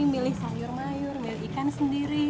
milih sayur mayur milih ikan sendiri